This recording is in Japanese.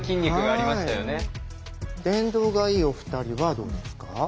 電動がいいお二人はどうですか？